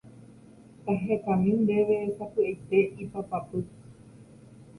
tahekami ndéve sapy'aite ipapapy.